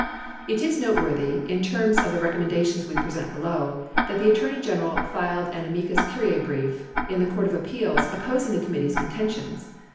It is noteworthy, in terms of the recommendations we present below, that the Attorney General filed an Amicus Curiae brief in the Court of Appeals opposing the committee's contentions.